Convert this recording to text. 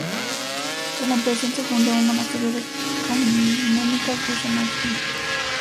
Tras la ampliación se funda un monasterio de canónicas de San Agustín.